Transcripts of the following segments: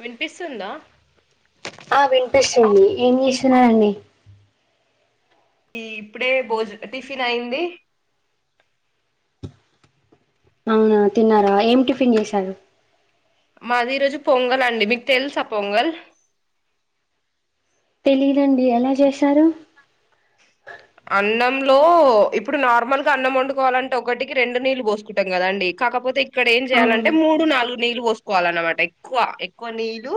వినిపిస్తుందా ఆ వినిపిస్తుంది ఏం చేస్తున్నారండి ఈ ఇప్పుడే భోజ్ టిఫిన్ అయింది అవునా తిన్నారా ఏం టిఫిన్ జెసారు మాది ఈ రోజు పొంగల్ అండి మీక్ తెలుసా పొంగల్ తెలిదండి ఎలా జేశారు అన్నంలో ఇప్పుడు నార్మల్గా అన్నం ఓండుకోవాలంటే ఒకటికి రెండు నీళ్లు బోస్కుంటాం కదాండి కాకపోతే ఇక్కడ ఏం జేయాలంటే అవును మూడు నాలుగు నీళ్లు వోస్కోవాలన్నమాట ఎక్కువా ఎక్కువ నీళ్లు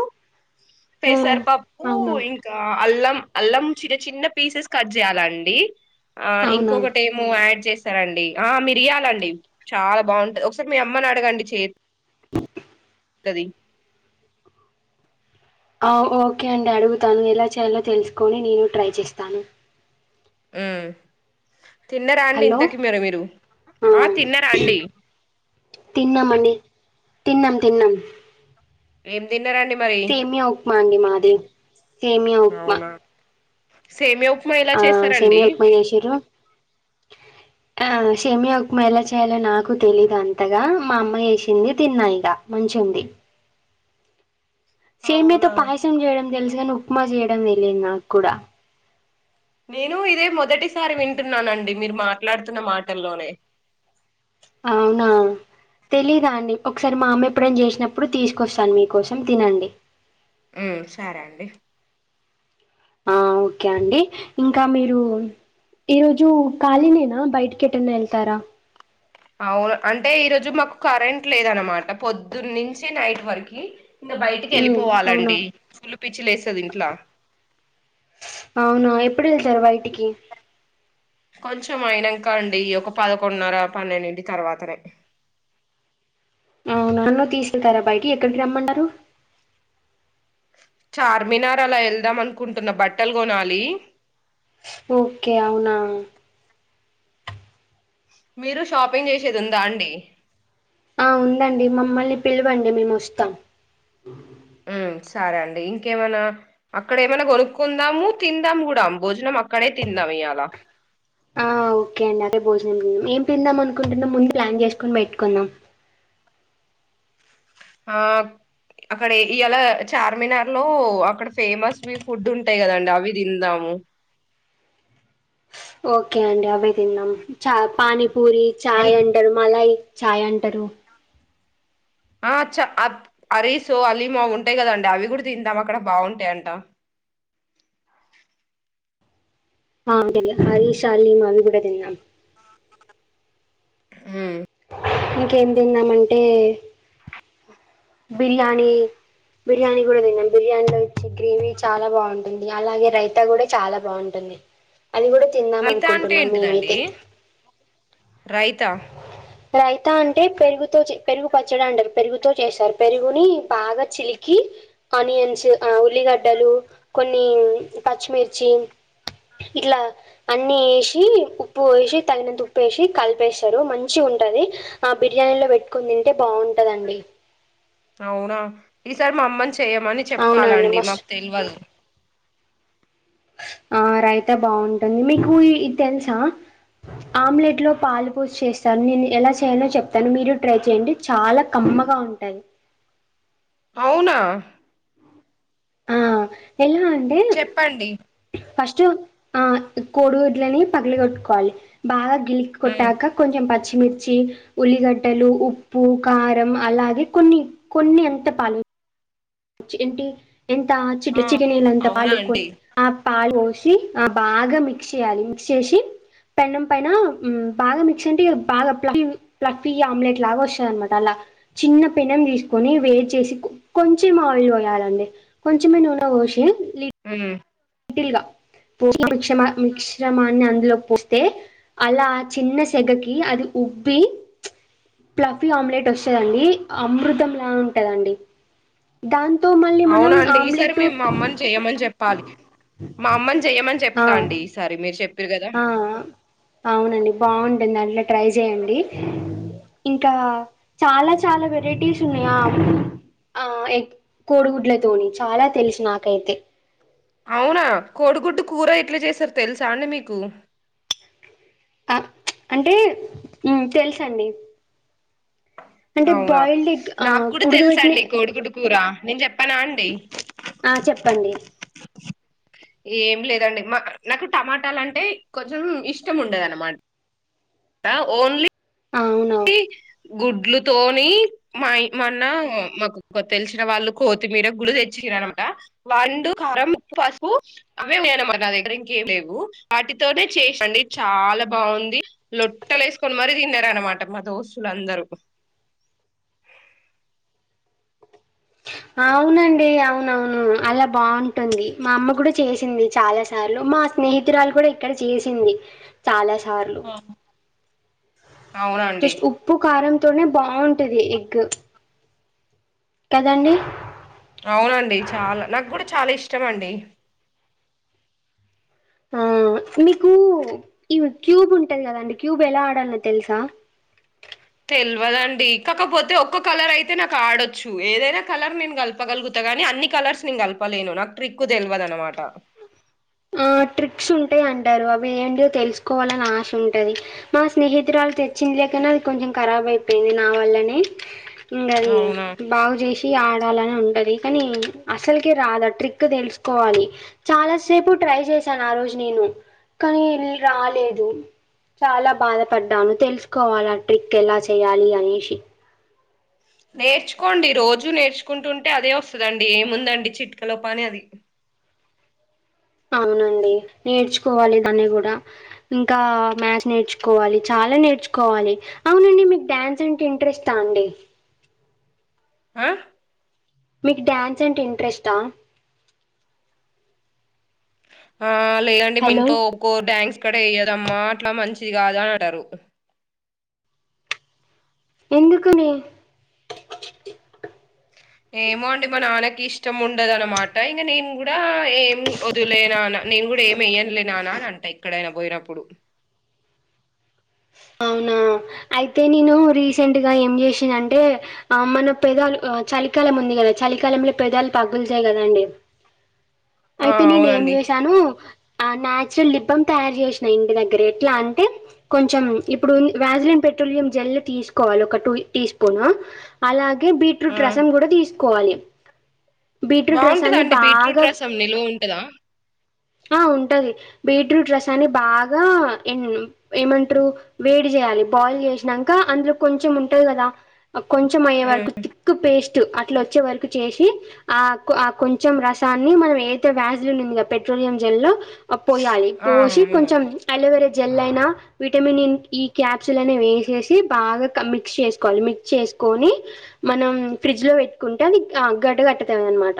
ఆ పేసర్ పాప్పు అవునా ఇంకా అల్లం అల్లం చిన్న చిన్న పీసెస్ కట్ జేయ్యాలాండి ఆ అవునా ఇంకొక్కటేమో యాడ్ జెస్ స్తరండి ఆ మిరియాలండి చాలా బాగుంట ఒకసారి మీ అమ్మనడగండి చే తది ఆ ఓకే అండి అడుగుతాను ఎలా చేయాలో తెలుసుకొని నేను ట్రై చేస్తాను ఉమ్ తిన్నరాండి హలో ఇంతకి మరి మీరు ఆ ఆహ్ తిన్నరాండి తిన్నాం ఆండీ తిన్నం తిన్నం ఏం తిన్నరండి మరి సేమియా ఉక్మ అండి మాది సేమియా ఉక్మ అవునా సేమియా ఉప్మా ఎలా ఆ చేస్తారండి సేమ్యా ఉక్మ జెషిర్రు ఆ షేమ్య ఉక్మ ఎలా చేయాలో నాకు తెలీదు అంతగా మా అమ్మా ఏషింది తిన్నాయిగ మంచి చెంది సేమ్యతో అవునా పాయసం జేయడం తెలుసు గని ఉక్మ జేయడం తెలిదు నాక్ కుడా నేను ఇదే మొదటిసారి వింటున్నానండి మీరు మాట్లాడుతున్న మాటల్లోనే ఔనా తెలీదాండి ఒకసారి మా అమ్మ ఎప్పుడైన జేసినప్పుడు తీసుకొస్తాను మీకోసం తినండి ఉమ్ సరే అండి ఆ ఓకే అండి ఇంకా మీరూ ఈ రోజు కఖాలినేనా బయటికెటన్నా ఏల్తారా ఔన అంటే ఈరోజు మాకు కరెంట్ లేదనమాట పొద్దున్నుంచి నైట్ వరకి ఇంగ బైటికి ఉమ్ అవునా వెళ్ళిపోవాలండి ఫుల్ పిచ్చి లేస్తది ఇంట్లా అవునా ఎప్పుడు ఏళ్తారు బైటికి కొంచెం అయినాంక అండి ఈ ఒక పదకొండున్నర పన్నెండిటి తర్వాతనే ఔన నన్ను తీసుకెళ్తారా బయటికి ఎక్కడికి రమ్మంటారు చార్మినార్ అలా వెళ్దాం అనుకుంటున్న బట్టలు కొనాలి ఒక్కే అవునా మీరు షాపింగ్ జేషేది ఉందా అండి ఆ ఉందండి మమ్మల్ని పిలవండి మేము వస్తాం ఉమ్ సరే అండి ఇంకేమనా అక్కడ ఏమైనా కొనుక్కుందాము తిందాం గూడా భోజనం అక్కడే తిన్ ఇయ్యాలా ఆ ఓకే అండి అదే భోజనం ఏం తిందాం అనుకుంటుంనామ్ ముందే ప్లాన్ జేసుకొని బెట్టుకుందాం ఆ అక్కడ ఎ ఇయ్యాల చార్మినార్ లో అక్కడ ఫేమస్ మీ ఫుడ్ ఉంటాయి కదండి అవి తిందాము ఉమ్ ఓకే అండి అవే తిన్నాం చ పానీపూరి అల్ ఛాయ్ అంటరు మలాయ్ ఛాయ్ అంటారు ఆ చ అ అరీసుో అలీమో ఉంటాయ్ గదండీ అవి కూడా తిందాం అక్కడ బాగుంటయంట హా తిని హరిషాలి మవి కూడా తిందాం ఉమ్ ఇంకేం తిందాంమంటే బిర్యానీ బిర్యానీ కూడా తిందాం బిర్యానీలో ఇచ్చే గ్రేవీ చాలా బాగుంటుంది అలాగే రైతా కూడా చాలా బాగుంట ఎ అది కూడా తిందాం రైతా అంటే అనుకుంటున్నాం మేమైతే ఏంటిదండి రైతా రైత అంటే పెరుగుతో చె పెరుగు పచ్చడా అంటారు పెరుగుతో చేస్తారు పెరుగుని బాగా చిలికి ఆనియన్స్ ఆ ఉల్లిగడ్డలు కొన్ని పచ్చిమిర్చి ఇట్లా అన్ని ఏషి ఉప్పు వేసి తగినంత ఉప్పు వేసి కలిపేస్తారు మంచి ఉం టది ఆ బిర్యానీలో పెట్టుకొని తింటే బాగుంటదండి అవునా ఈసారి మా అమ్మని చేయమని అవునండి చెప్పాలండి మస్తు మాకు తెల్వదు ఆ రైత బాగుంటది మీకు ఇది తెలుసా ఆమ్లెట్లో పాలు పోసి చేస్తాను నేను ఎలా చేయాలో చెప్తాను మీరు ట్రై చేయండి చాలా కమ్మ గవుంటది అవునా ఆ ఎలా అండి చెప్పండి ఫస్ట్ ఆ కోడిగుడ్లని పగలకొట్టుకోవాలి బాగా గిల్ ఉమ్ కొట్టాక కొంచం పచ్చి మిర్చి ఉల్లిగడ్డలు ఉప్పు కారం అలాగే కొన్ని కొన్ని ఇంత పాలు ఏంటి ఇంత ఆ చిటి చిటనేళ్ళంత అవునా పాలు అండి ఆ పాలు వొ సి ఆ బాగా మిక్స్ చేయాలి మిక్స్ చేసి పెనం పైన బాగా మిక్స్ అంటే బాగా ప్లమి ప్లఫీ ఆమ్లెట్ లాగా వస్తదన్మాట అలా చిన్న పెనం తీసుకొని వేడి చేసి కొ కొం చెం ఆయిల్ పోయాలండి కొంచెమే నూనె పోషి ఉమ్ వీల్గా పోస్న మిక్సమ మిశ్రమాన్ని అందులో పోస్తే అలా చిన్న సెగకి అది ఉబ్బి ప్లఫీ ఆమ్లెట్ వస్సదండి అమృతంలా ఉంటదండి దాం అవునా అండి ఈసారి మేము మా అమ్మని చెయ్యమని చెప్పాలి మా అమ్మని జెయ్యమని ఆ చెప్తా అండి ఈసారి మీరు చెప్ ఆ అవునండి బాగుంటుందండి ట్రై చేయండి ఇంకా చాలా చాలా వెరైటీస్ ఉన్నాయా ఆ ఎగ్ కోడిగుడ్ల తోని చాలా తెలుసు నాకైతే అవునా కోడిగుడ్డు కూర ఎట్లా చేస్తరు తెలుసా అండి మీకు ఆ అంటే ఉ తెల్సండీ అవునా ఆ నాకు కూడా ఉడకబెట్టిన తెల్సండీ కోడిగుడ్డు కూర నేను చెప్పానా అండి ఆ చెప్పండి ఏం లేదండి మా నాకు టమాటాలంటే కొంచెం ఇష్టం ఉండదన మా ట ఓన్లీ అవును లీ గుడ్లుతోని మాయి మొన్న మాకొక తెలిసిన వాళ్ళు కొత్తిమీర గుడ్డు తెచ్చి అన్మమాట వండు కారం ఉ పసుపు అవే వేయాలి అన్నమాట నా దగ్గర ఇంకేం లేవు వాటితో కొతె చేసాండి చాలా బాగుంది లొట్టలే సుకొని మరి తిన్నారానమా మా దోస్తులందరూ అవునండి అవునవును అలా బాగుంటుంది మా అమ్మ కూడా చేసింది చాలా సార్లు మా స్నేహితురాలు కుడ ఇక్కడ చేసింది చాలా అవునండి జస్ట్ ఉప్పు కారం తోనే బావుంటది ఎగ్గ్ అవునండి చాలా నాగుడా చాలా ఇష్టం అండి అవును మీకూ ఇవి క్యూబ్ ఉంటది గదండి క్యూబ్ ఎలా ఆడాలొ తెలుసా తెల్వదండి కాకపోతే ఒక్క కలర్ అయితే నాకు ఆడొచ్చు ఏదైనా కలర్ నేను గలపగలుగుత గని అ న్ని కలర్స్ నెన్ గల్పలేను నాకు ట్రిక్కు తెల్వదు అనమాట ఆ ట్రిక్స్ ఉంటయ్ అంటరు అవి ఏంటియొ తెలుసుకోవాలని ఆశ ఉంటది మా స్నేహితురాలు త్ చ్చింది లెక్కనె అది కొంచెం ఖరాబ్ అయిపోయింది నా వల్లనె ఇంగ అది అవునా బాగు జెష్ ఆడాలని ఉంటది కనీ అసెల్కె రాదా ట్రిక్ తెలుసుకోవాలి చాలాసేపు ట్రై చేశాను ఆ రోజు నేను కనీ రాలేదు చాలా బాధపడ్డాను తెలుసుకోవాలి ఆ ట్రిక్ ఎలా చేయాలి అనేశి నేర్చుకోండి రోజూ నేర్చుకుంటుంటే అదే వస్తదండి ఏముందండి చిట్కలో పనది అవునండి నేర్చుకోవాలి దాన్ని గుడా ఇంకా మ్యాథ్స్ నేర్చుకోవాలి చా లా నేర్చుకోవాలి అవునండి మీకు డ్యాన్స్ అంటే ఇంట్రెస్టా అండి అ మీకు డ్యాన్స్ అంటె ఇంట్రెస్టా ఆ లేదండి మ హలో! ఇంట్లో ఒప్పుకొరు డాన్స్ కుడ ఎయ్యో దమ్మ అట్లా మంచిది గాదు అని అంటరు ఎందుకనీ ఏమో అండి మా నాన్నకి ఇష్టం ఉండదనమాట ఇంగ నేను గుడా ఏం వదిలే నాన నేను గుడా ఏమి ఎయ్యన్లే నాన్న అని అంట ఎక్కడైనా బొయినప్పుడు అవునా అయితే నేను రీసెంట్గా ఏం చేశిన అంటే ఆ మన పెదాలు ఆ చలికాలం ఉంది గదా చలికాలంలో పెదాలు పగూల్తయ్ గదండి ఆ అయితే నేను ఏం అవునండి చేసాను ఆ నాచ్చురల్ లిబ్బం తయారు జేశిన ఇంటి దగ్గర ఎట్లా అంటే కొంచెం ఇప్పుడు ఉ న్ వ్యాజిలిన్ పెట్రోలియం జెల్ తీసుకోవాలి ఒక టూ టీ స్పూన్ అలా గే ఆ బీట్రూట్ రసం గుడ తీసుకోవాలి బీట్రూట్ బాగుంటదా రసాన్ని అండి బాగా బీట్రూట్ రసం నిలువ ఉంటదా ఆ ఉంటది బీట్రూట్ రసాన్ని బాగా ఎన్ ఏమంట్రూ వేడి జెయాలి బాయిల్ జెశినంక అందులో కొంచం ఉంటది గదా అ కొంచెం అయ్యే వరకు తిక్క్ పేస్ స్ట్ అట్లోచ్చె వరకి చేసి అ కొ అ కొంచెం రాసాన్ని మనం ఏదైతే వ్యాజిలిన్ ఉంది గా పెట్రో లియం జెల్ అ పోయాలి ఆ పోసి కొంచెం అవునండి అలోవెరా జెల్ అయినా విటమిన్ ఇ ఈ క్యాప్సుల్ అనె వేసేసి బాగా క మిక్స్ చేసుకోవాలి మిక్స్ చేసుకొని మనం ఫ్రిడ్జ్ లో వెట్టుకుంటే అది అ గడ్డ కట్టుతది అనమాట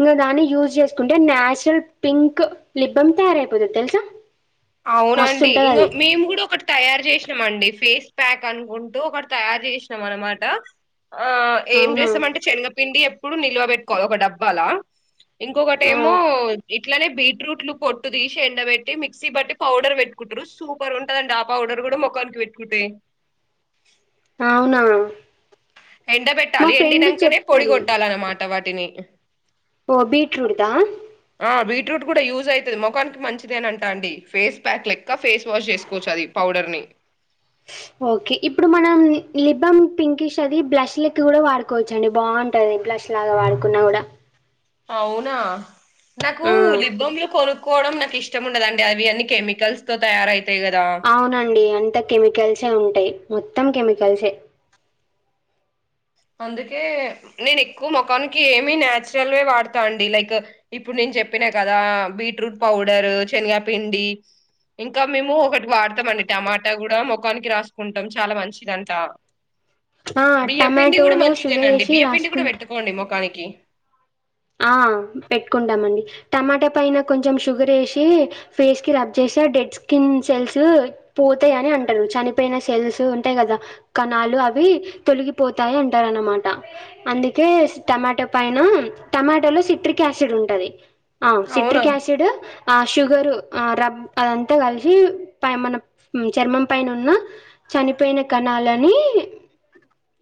ఇంగ దాన్ని యూజ్ జెసుకుంటే నాచురల్ పీంక్ లిబ్బమ్ తయారైపోతది తెలుసా అవునండి మస్తుంటది ఇంగ అది మేము గుడా ఒకటి తయార్ జెశినం అండి ఫేస్ ప్యాక్ అనుకుంటూ ఒకటి తయారు జేశినం అనమాట ఆ ఏం అవునా చేస్తమంటే శనగపిండి ఎప్పుడు నిల్వ వెట్టుకోవాలి ఒక డబ్బాల ఇంకొకటేమో ఇట్లనే బీట్రూట్లు పొట్టు దీశి ఎండబెట్టి మీ క్సీ బట్టి పౌడర్ వెట్టుకుంటరు సూపర్ ఉంటదండి ఆ పౌడర్ గుడ మొఖానికి పెట్టుకుంటే ఆ అవునా ఎండ మా బెట్టాలి ఫ్రెండ్ ఎండినంకనే పొడి చెప్తది కొట్టాలనమాట వాటి. టిని. ఓ బీట్రూట్ దా. ఆహ్ బీట్రూట్ గుడా యూజ్ అయితది ముఖానికి మంచిదేనంట్. ట అండి ఫేస్ ప్యాక్ లెక్క ఫేస్ వాష్ జేసుకోవచ్చు అది పౌడర్ ని. బ్లాంక్ ఓకే ఇప్పుడు మనం లిబ్బమ్ పింకిష్ అది బ్లష్లక్క కూడా వాడుకోవచ్చండి బాగుంటది బ్లా బ్లష్ లాగా వాడుకున్నా కూడా అవునా నాకు ఆ లిబ్బమ్ల కొర్ కోవడం నాకు ఇష్టం ఉండదండి అవి అన్ని కెమికల్స్ తో తయారై అవునండి అంత కెమికల్సే ఉంటాయి మొత్తం కెమికల్సే. అందుకే నేను ఎక్కువ మొఖానికి ఏమి నాచురల్వే వాడత అండి లైక్ ఇప్పుడు నేను. చెప్పినా కదా బీట్రూట్ పౌడరు శనగ పిండి. ఇంకా మేము ఒకటి వాడతామండి టమాటా కూడా మొఖానికి రాసుకుంటం చాల మంచిదింట. ఆహ్ టమాట్. ఇది కూడా మంచిదేనండి బియ్య పిండి కూడ పెట్టుకోండి మొఖానికి. టమాట పైన కొంచెం షుగర్ ఏసి ఫేస్ కి రబ్ చేస్తె డెడ్ స్కిన్ సెల్సు పో. పోతాయి అని అంటారు చనిపోయిన సెల్స్ ఉంటాయి కదా కణాలు అవి తొలగిపోతాయి అంటారు అన్నమా. అనమాట అందుకే టమాటో పైన. టమాటోలో సిట్రిక్ యాసిడ్ ఉంటది ఆహ్ అవునా సిట్రిక్ యాసిడ్ ఆ షుగరు. ఆహ్ రబ్ అదంతా కలిసి మన చర్మం పైన ఉన్న చనిపోయిన కణ. కణలని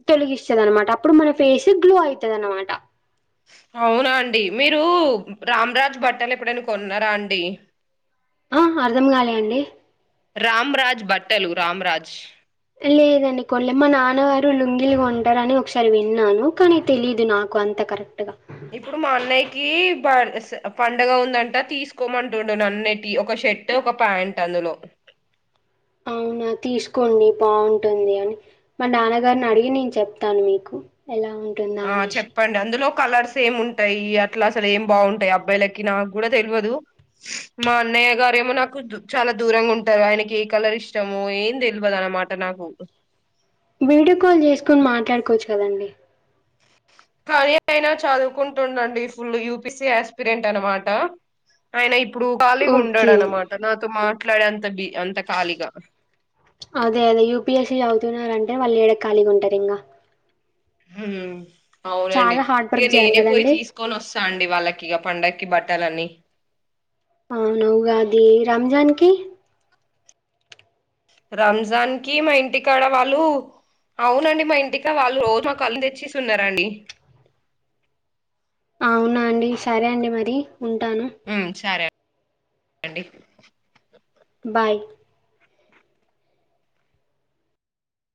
తొలగిస్తది అనమాట అప్పుడు మన ఫేస్ గ్లో అయితది అనమాట. అవునా అండి మీరు రామరాజ్ బట్టలు ఎప్పుడైనా కొన్నరాండి. ఆహ్ అర్ధం కాలే అండి. రామ్ రాజ్ బట్టలు రామ్ రాజ్. లేదండి కొనలే మా నాన్నగారు లుంగిలు కొంటరని ఒకసారి విన్నాను కానీ తెలిదు నాకు అంత కరెక్ట్గా. ఇప్పుడు మా అన్నయ్యకీ. పనస పండగ ఉందంట తీసుకోమంటుండు నన్నేటి ఒక షర్ట్ ఒక ప్యాంట్ అందులో. అవునా. తీసుకోండి బాగుంటుంది అని మా నాన్నగారిని అడిగి నేను చెప్తాను మీకు. ఎలా ఉంటుందా ఆహ్ అనేసి చెప్పండి అందులో. కలర్స్ ఏం ఉంటాయి అట్లా అసలు ఏం బాగుంటాయి అబ్బాయిలకి నాకు కూడా తెలివదు మా అన్న. అన్నయ్య గారు ఏమో నాకు చాలా దూరంగ ఉంటరు ఆయనకి ఏ కలర్ ఇష్టమో ఏం తెలువదు అన్నమాట నాకు. వీడియో కాల్ చేసుకొని మాట్లాడుకోవచ్చు కదండి. కానీ అయినా చదువుకుంటుండండి ఫుల్ యూపిసి యాస్పిరెంట్ అనమాట. ఆయన ఇప్పుడు ఖాళీగా ఓకే ఉండడనమాట నాతో మాట్లాడే అంత బిజి. అదే అదే యూపిఎస్సి చదువుతుండు అన్. మళ్ళీ ఏడ ఖాళిగా ఉంటది ఇంగ. ఉమ్ అవునండి చాలా హార్డ్ ఇగ వర్క్ చేయాలి నేనే పోయి కదండి తీసుకొని వస్తా అండి. డి వాళ్ళకిగ పండక్కి బట్టలన్ని. రంజాన్ కి. రంజాన్ కి మా ఇంటికాడ వాళ్ళు. అవునండి మా ఇంటికాడ వాళ్ళు రోజు ఒక హలిమ్ తెచ్చేస్తున్నరండి. అవునా అండి సరే అండి మరి ఉంటాను. ఓకే అండి. బాయ్.